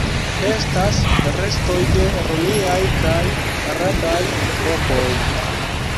Estas restoj de romiaj kaj arabaj epokoj.